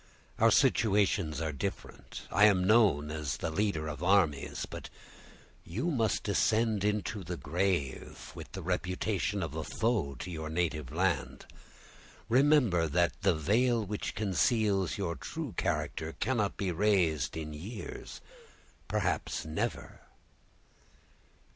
Our situations are different; I am known as the leader of armies—but you must descend into the grave with the reputation of a foe to your native land. Remember that the veil which conceals your true character cannot be raised in years—perhaps never."